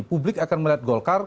publik akan melihat golkar